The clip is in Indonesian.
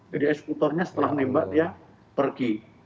jadi eskutornya setelah nembak dia pergi